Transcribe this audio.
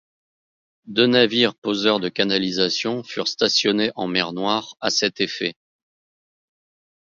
Deux navires poseurs de canalisations furent stationnés en mer Noire à cet effet.